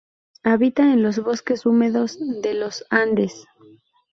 Habita en bosques húmedos de los Andes.